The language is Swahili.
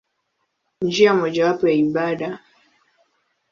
Njia mojawapo ya ibada.